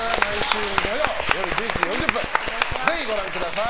ぜひ、ご覧ください。